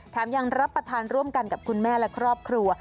ยังรับประทานร่วมกันกับคุณแม่และครอบครัว